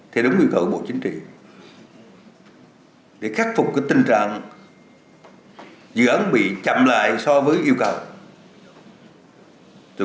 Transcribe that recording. thì đúng yêu cầu bộ chính trị để khắc phục cái tình trạng dự án bị chậm lại so với yêu cầu